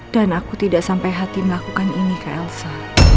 dan aku tidak sampai hati melakukan ini ke elsa